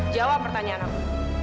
jawab pertanyaan aku